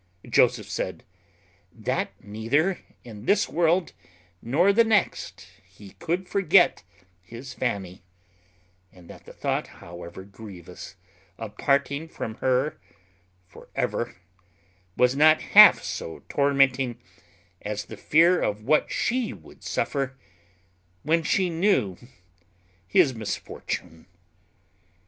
Joseph said, "That neither in this world nor the next he could forget his Fanny; and that the thought, however grievous, of parting from her for ever, was not half so tormenting as the fear of what she would suffer when she knew his misfortune."